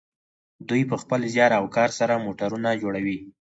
دوی په خپل زیار او کار سره موټرونه جوړوي.